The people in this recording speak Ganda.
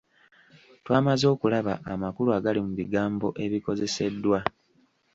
Twamaze okulaba amakulu agali mu bigambo ebikozeseddwa.